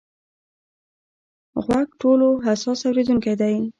غوږ ټولو حساس اورېدونکی دی.